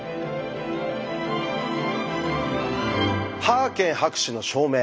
ハーケン博士の証明